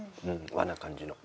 和な感じの。